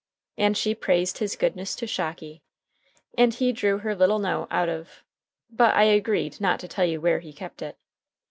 And she praised his goodness to Shocky, and he drew her little note out of But I agreed not tell you where he kept it.